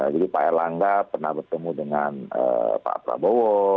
jadi pak erlangga pernah bertemu dengan pak prabowo